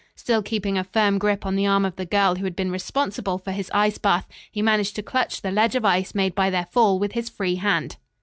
Still, keeping a firm grip on the arm of the girl who had been responsible for his ice bath, he managed to clutch the ledge of ice made by their fall with his free hand.